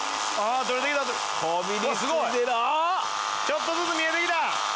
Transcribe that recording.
ちょっとずつ見えてきた！